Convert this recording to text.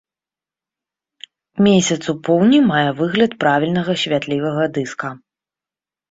Месяц у поўні мае выгляд правільнага святлівага дыска.